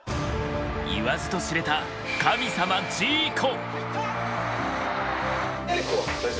言わずと知れた神様ジーコ！